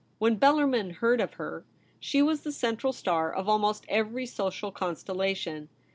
When Bellarmin heard of her, she was the central star of almost every social constellation.